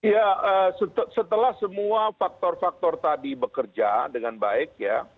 ya setelah semua faktor faktor tadi bekerja dengan baik ya